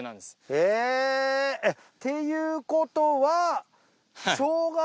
えぇ！っていうことは。